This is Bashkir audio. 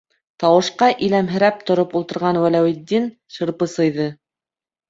- Тауышҡа иләмһерәп тороп ултырған Вәләүетдин шырпы сыйҙы.